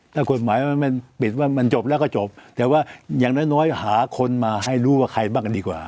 ถ้ากฎหมายมันปิดว่ามันจบแล้วก็จบแต่ว่าอย่างน้อยหาคนมาให้รู้ว่าใครบ้างกันดีกว่า